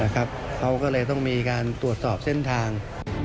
เขาก็เลยต้องมีการตรวจสอบเส้นทาง